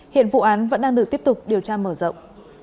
hiện vụ án vẫn đang được tiếp tục điều tra mở rộng